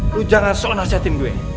lu jangan sok nasihatin gue